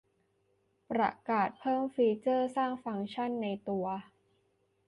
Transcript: ประกาศเพิ่มฟีเจอร์สร้างฟังก์ชั่นในตัว